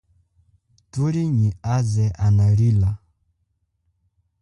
Thulile nyi waze analila.